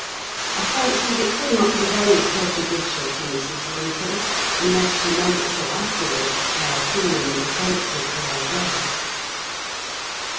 I fancied it could not be very prejudicial to Mrs. Linton; unless she made it so afterwards, by assuming the defensive for her guest.